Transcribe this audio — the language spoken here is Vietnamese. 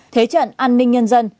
thế trận an ninh nhân dân